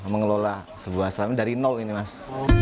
mengelola sebuah sarana dari nol ini mas